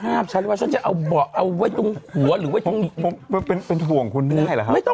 กล้าบฉันว่าจะเอาบอกเอาไว้ตรงหัวหรือเป็นตัวของคุณได้หรือครับ